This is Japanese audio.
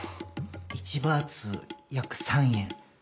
１バーツ約３円。